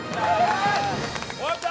終わった！